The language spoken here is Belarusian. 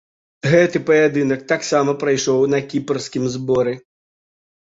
Гэты паядынак таксама прайшоў на кіпрскім зборы.